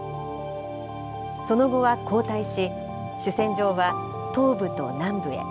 その後は後退し、主戦場は東部と南部へ。